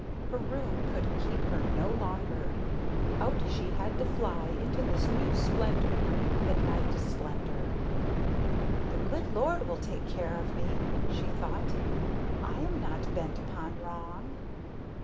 Her room could keep her no longer; out she had to fly into this new splendor, the night splendor. "The good Lord will take care of me," she thought, "I am not bent upon wrong."